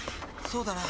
そうだな。